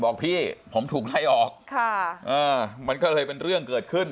บอกพี่ผมถูกไล่ออกมันก็เลยเป็นเรื่องเกิดขึ้น